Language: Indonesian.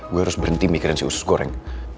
gue harus berhenti mikirin si usus goreng